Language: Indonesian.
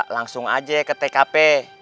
langsung aja ke tkp